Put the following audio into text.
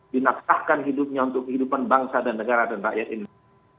dinafkahkan hidupnya untuk kehidupan bangsa dan negara dan rakyat indonesia